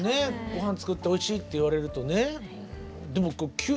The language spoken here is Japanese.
ごはん作っておいしいって言われるとね。